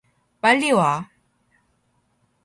빨리 와!